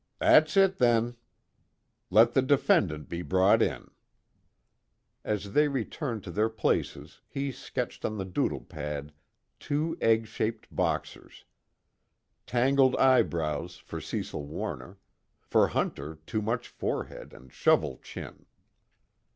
"That's it, then. Let the defendant be brought in." As they returned to their places he sketched on the doodle pad two egg shaped boxers: tangled eyebrows for Cecil Warner, for Hunter too much forehead and shovel chin.